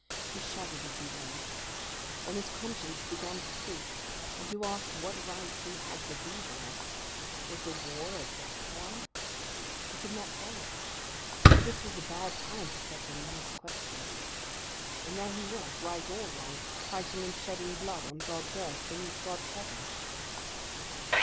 He shuddered as he lay. Then his conscience began to speak, and to ask what right he had to be there. Was the war a just one? He could not tell; for this was a bad time for settling nice questions. But there he was, right or wrong, fighting and shedding blood on God's earth, beneath God's heaven.